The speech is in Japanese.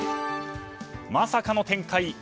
まさかの展開